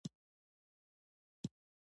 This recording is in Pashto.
حیوانات د تفریح سفر نه کوي.